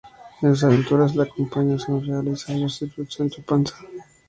En sus aventuras le acompaña su confiable y sabio siervo Sancho Panza.